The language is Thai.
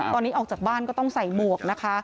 ตอนนี้ออกจากบ้านก็ต้องใส่หมวกนะคะ